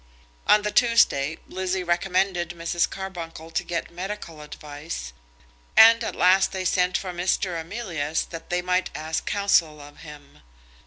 On the Tuesday, Lizzie recommended Mrs. Carbuncle to get medical advice, and at last they sent for Mr. Emilius that they might ask counsel of him.